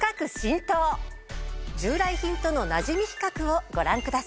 従来品とのなじみ比較をご覧ください。